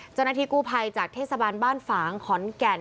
เจ้าหน้าที่กู้ภัยจากเทศบาลบ้านฝางขอนแก่น